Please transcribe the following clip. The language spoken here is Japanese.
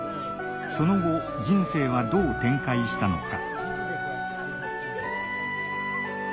その後人生はどう展開したのか？